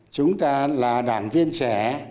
chúng ta là đảng viên trẻ